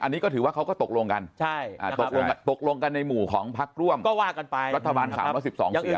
อันนี้ก็ถือว่าเขาก็ตกลงกันตกลงกันในหมู่ของพักร่วมก็ว่ากันไปรัฐบาลถามว่า๑๒เสียง